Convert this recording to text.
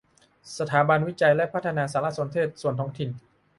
สถาบันวิจัยและพัฒนาสารสนเทศส่วนท้องถิ่น